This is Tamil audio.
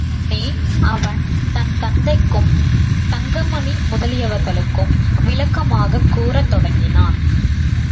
உடனே அவன் தன் தந்தைக்கும், தங்கமணி முதலியவர்களுக்கும் விளக்கமாகக் கூறத் தொடங்கினான்.